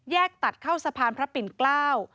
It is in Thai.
ตัดเข้าสะพานพระปิ่นเกล้า